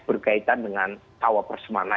berkaitan dengan cawapres mana